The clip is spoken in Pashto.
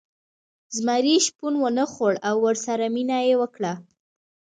زمري شپون ونه خوړ او ورسره مینه یې وکړه.